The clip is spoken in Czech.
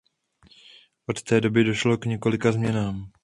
Od té doby došlo k několika změnám.